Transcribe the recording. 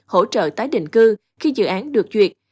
hỗ trợ tái định cư khi dự án được duyệt